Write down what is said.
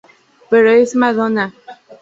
Pero es Madonna.